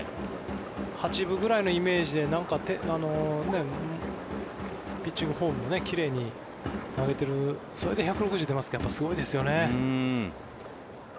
八分くらいのイメージでピッチングフォームも奇麗に投げているそれで１６０ｋｍ出ますからすごいですよね。